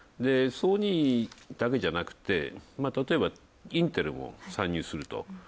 ソニーだけじゃなく、たとえばインテルも参入すると。